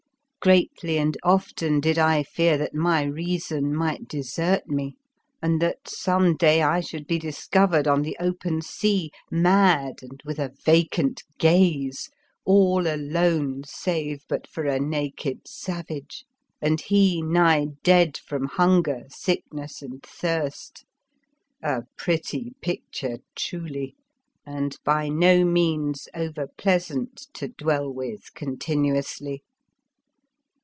Greatly and often did I fear that my reason might desert me, and that some i33 The Fearsome Island day I should be discovered on the open sea, mad and with a vacant gaze, all alone save but for a naked savage, and he nigh dead from hunger, sickness and thirst — a pretty picture, truly, and by no means over pleasant to dwell with continuously.